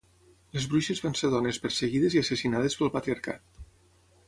Les bruixes van ser dones perseguides i assassinades pel patriarcat.